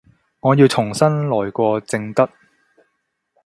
我要重新來過正得